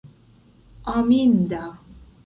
aminda